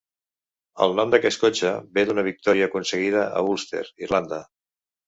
El nom d'aquest cotxe ve d'una victòria aconseguida a Ulster, Irlanda.